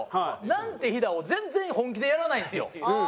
「なんて日だ！」を全然本気でやらないんですよ。